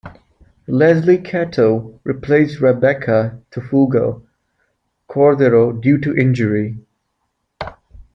Lesley Ketu replaced Rebekah Tufuga-Cordero due to injury.